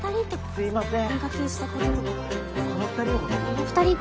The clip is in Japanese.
すいません。